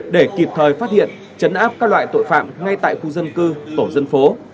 để kịp thời phát hiện chấn áp các loại tội phạm ngay tại khu dân cư tổ dân phố